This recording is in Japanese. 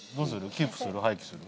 キープする廃棄する？